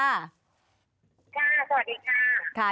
ค่ะสวัสดีค่ะ